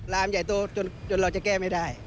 ลามใหญ่โตจนเราจะแก้ไม่ได้